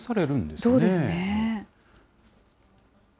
そうですね。